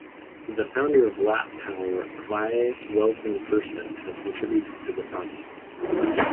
The founder of Lap Power Claes Wellton-Persson has contributed to the project.